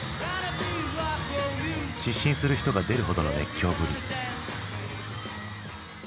失神する人が出るほどの熱狂ぶり。